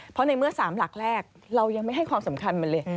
เพราะในเมื่อ๓หลักแรกเรายังไม่ให้ความสำคัญมันเลย